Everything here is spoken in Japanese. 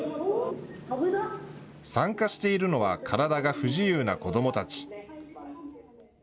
参加しているのは体が不自由な子どもたち。